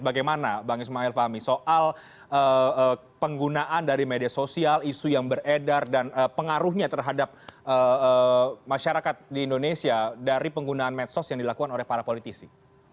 bagaimana bang ismail fahmi soal penggunaan dari media sosial isu yang beredar dan pengaruhnya terhadap masyarakat di indonesia dari penggunaan medsos yang dilakukan oleh para politisi